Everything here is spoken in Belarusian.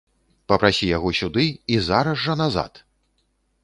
Папрасі яго сюды і зараз жа назад!